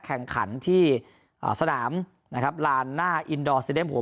แข่งขันที่อ่าสนามนะครับลานหน้าอินดอร์สิเดน์หัว